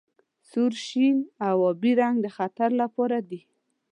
سور سپین او ابي رنګ د خطر لپاره دي.